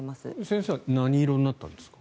先生は何色になったんですか？